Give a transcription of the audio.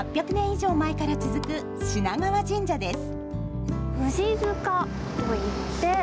以上前から続く品川神社です。